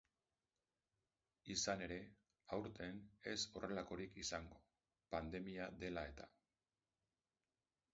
Izan ere, aurten ez horrelakorik izango, pandemia dela eta.